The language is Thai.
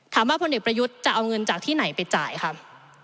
ถามว่าพลประยุทธ์จะเอาเงินจากที่ไหนไปจ่ายค่ะ